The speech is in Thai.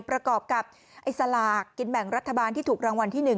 ประกอบกับไอ้สลากกินแบ่งรัฐบาลที่ถูกรางวัลที่๑